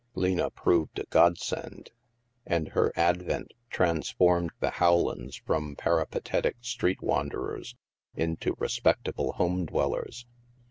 Lena proved a godsend, and her advent trans formed the Rowlands from peripatetic street wan derers into respectable home dwellers.